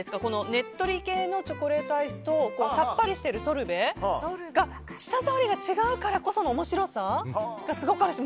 ねっとり系のチョコレートアイスとさっぱりしてるソルベが舌触りが違うからこその面白さがすごくあるし